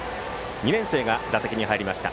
２年生が打席に入りました。